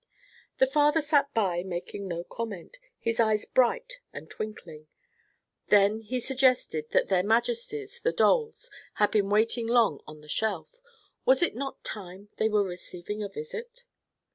The father sat by, making no comment, his eyes bright and twinkling. Then he suggested that their Majesties, the dolls, had been waiting long on the shelf. Was it not time they were receiving a visit?